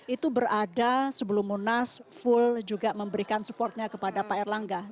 itu berada sebelum munas full juga memberikan supportnya kepada pak erlangga